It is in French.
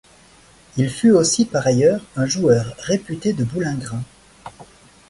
Il fut aussi par ailleurs un joueur réputé de boulingrin.